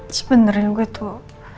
sebenernya gue tuh